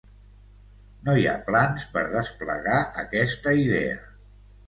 No hi ha plans per desplegar aquesta idea.